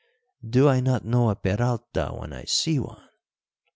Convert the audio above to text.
Do I not know a Peralta when I see one?"